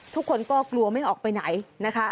ทุกคนก็กลัวไม่ออกไปไหนนะคะ